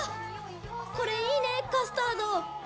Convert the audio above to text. これいいねカスタード！